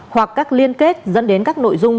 hoặc các liên kết dẫn đến các nội dung